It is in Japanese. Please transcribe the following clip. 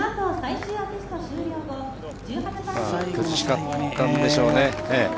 苦しかったんでしょうね。